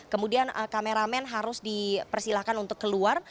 kemudian kameramen harus dipersilahkan untuk keluar